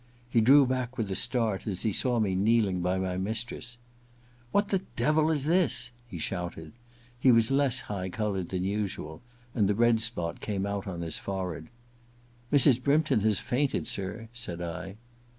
He drew back with a start as he saw me kneel ing by my mistress. * What the devil is this ?' he shouted. He was less high coloured than usual, and the red spot came out on his forehead. * Mrs. Brympton has fainted, sir,' said I.